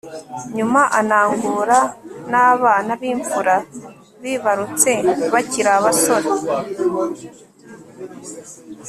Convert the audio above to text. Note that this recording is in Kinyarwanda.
nyuma anangura n'abana b'imfura bibarutse bakiri abasore